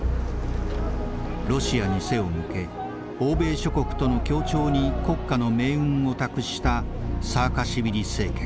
ロシアに背を向け欧米諸国との協調に国家の命運を託したサーカシビリ政権。